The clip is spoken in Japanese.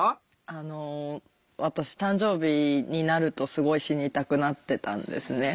あの私誕生日になるとすごい死にたくなってたんですね。